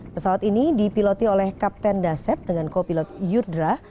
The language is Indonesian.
pesawat ini dipiloti oleh kapten dasep dengan kopilot yudra